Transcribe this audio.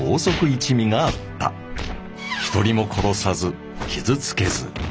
一人も殺さず傷つけず。